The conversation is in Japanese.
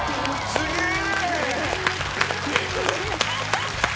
すげえ！